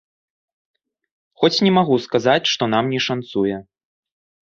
Хоць не магу сказаць, што нам не шанцуе!